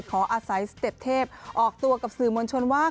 ขออาศัยสเต็ปเทพออกตัวกับสื่อมวลชนว่า